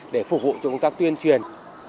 để phục vụ cho công tác tuyên truyền